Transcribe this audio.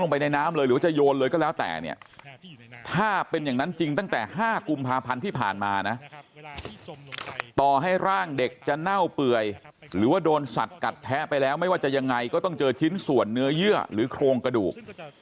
พันธุ์ที่ผ่านมานะต่อให้ร่างเด็กจะเน่าเปื่อยหรือว่าโดนสัตว์กัดแท้ไปแล้วไม่ว่าจะยังไงก็ต้องเจอชิ้นส่วนเนื้อเยื่อหรือโครงกระดูก